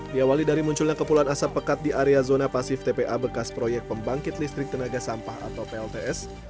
diawali dari munculnya kepulan asap pekat di area zona pasif tpa bekas proyek pembangkit listrik tenaga sampah atau plts